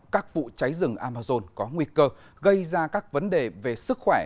các vụ cháy rừng amazon có nguy cơ gây ra các vấn đề về sức khỏe